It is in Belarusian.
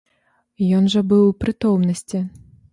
Ён жа быў у прытомнасці.